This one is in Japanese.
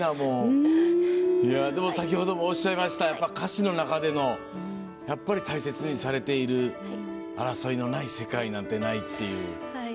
先ほどもおっしゃいましたが歌詞の中での大切にされている「争いのない世界なんてない」っていう。